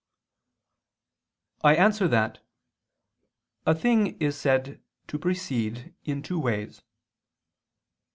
I answer that, A thing is said to precede in two ways.